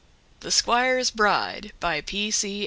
THE SQUIRE'S BRIDE By P. C.